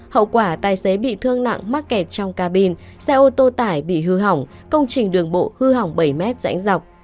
hậu quả tài xế bị thương nặng mắc kẹt trong ca bin xe ô tô tải bị hư hỏng công trình đường bộ hư hỏng bảy m dãnh dọc